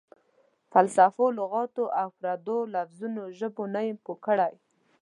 فلسفو، لغاتو او پردو لفظونو ژبو نه یم پوه کړی.